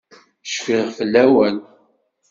Cfiɣ fell-awen.